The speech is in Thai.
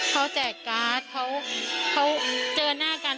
เขาแจกการ์ดเขาเจอหน้ากัน